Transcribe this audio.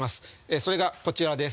それがこちらです。